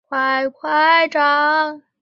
传说尧在隆尧的尧山禅让帝位予舜。